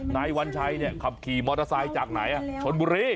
นายวัญชัยขับขี่มอเตอร์ไซค์จากไหนชนบุรี